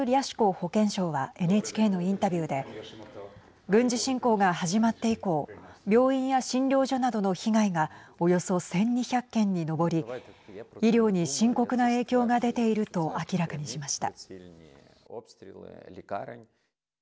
保健相はＮＨＫのインタビューで軍事侵攻が始まって以降病院や診療所などの被害がおよそ１２００件に上り医療に深刻な影響が出ていると明らかにしました。